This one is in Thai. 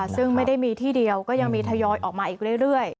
ซึ่งไม่ได้มีที่เดียวก็ยังมีทยอยออกมาอีกเรื่อย